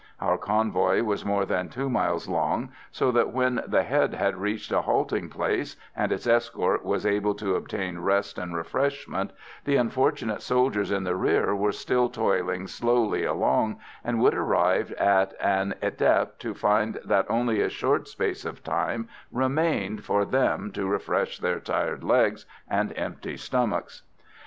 Our convoy was more than 2 miles long, so that when the head had reached a halting place, and its escort was able to obtain rest and refreshment, the unfortunate soldiers in the rear were still toiling slowly along, and would arrive at an étape to find that only a short space of time remained for them to refresh their tired legs and empty stomachs.